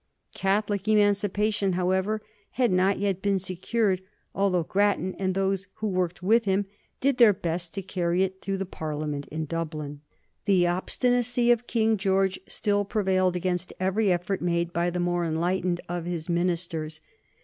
Catholic emancipation, however, had not yet been secured, although Grattan and those who worked with him did their best to carry it through the Parliament in Dublin. The obstinacy of King George still prevailed against every effort made by the more enlightened of his ministers.